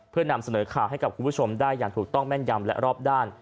เพื่อนำเสนอข่าวให้กับคุณผู้ชมได้อย่างถูกต้องแม่นยำและรอบด้าน